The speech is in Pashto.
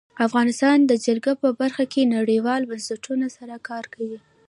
افغانستان د جلګه په برخه کې نړیوالو بنسټونو سره کار کوي.